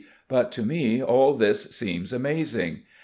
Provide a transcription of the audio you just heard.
But to me all this seems amazing.